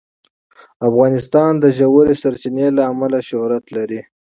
افغانستان د ژورې سرچینې له امله شهرت لري.